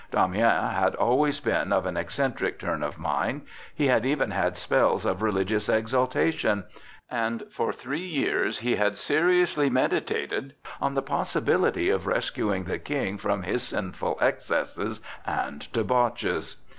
Damiens had always been of an eccentric turn of mind; he had even had spells of religious exaltation, and for three years he had seriously meditated on the possibility of rescuing the King from his sinful excesses and debauches.